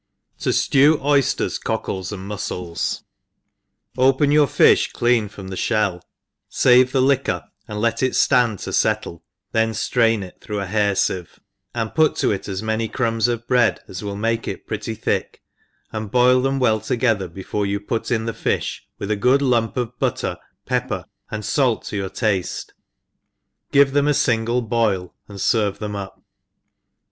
Tojlew Oysters, Cockles, ^/^^Z Muscles. OPEN your fifli clean from the ftiell, favc the liquor^ and let it ftand to fettle^ then ftraia J ENGLISH HOUSE KEEPER. 3> it through a hair iieye, and put to it as many crumbs of tread as will make it pretty thick, and boil them well together before you put in the fifli, with a good lump of butter, pepper, and fait to your tafte, give them a fingle boil, qnd fervc them up.